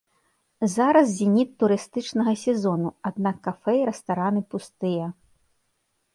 Зараз зеніт турыстычнага сезону, аднак кафэ і рэстараны пустыя.